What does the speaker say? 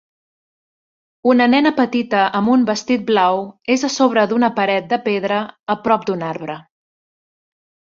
Una nena petita amb un vestit blau és a sobre d'una paret de pedra a prop d'un arbre.